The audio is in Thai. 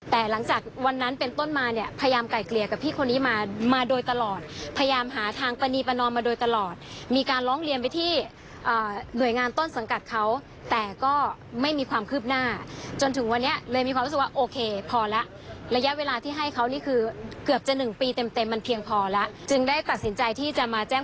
แต่หลังจากวันนั้นเป็นต้นมาเนี่ยพยายามไก่เกลี่ยกับพี่คนนี้มามาโดยตลอดพยายามหาทางปณีประนอมมาโดยตลอดมีการร้องเรียนไปที่หน่วยงานต้นสังกัดเขาแต่ก็ไม่มีความคืบหน้าจนถึงวันนี้เลยมีความรู้สึกว่าโอเคพอแล้วระยะเวลาที่ให้เขานี่คือเกือบจะหนึ่งปีเต็มมันเพียงพอแล้วจึงได้ตัดสินใจที่จะมาแจ้ง